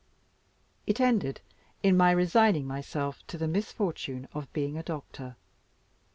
It ended in my resigning myself to the misfortune of being a doctor.